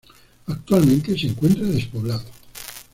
Actualmente se encuentra despoblado.